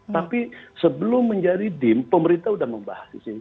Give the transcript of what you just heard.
tapi sebelum menjadi dim pemerintah sudah membahas